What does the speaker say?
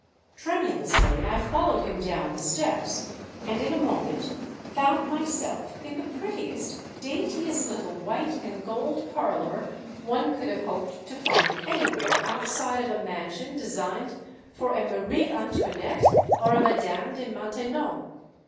Tremulously I followed him down the steps, and in a moment found myself in the prettiest, daintiest, little, white and gold parlor one could have hoped to find anywhere outside of a mansion designed for a Marie Antoinette, or a Madame de Maintenon!